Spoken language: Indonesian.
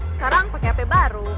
sekarang pake hp baru